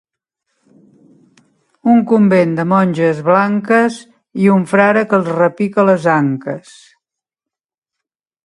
Un convent de monges blanques i un frare que els repica les anques.